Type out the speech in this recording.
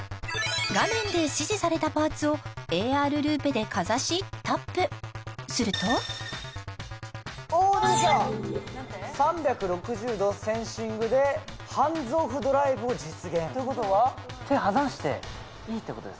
画面で指示されたパーツをＡＲルーペでかざしタップするとお出てきた３６０°センシングでハンズオフドライブを実現ということは手離していいってことですか？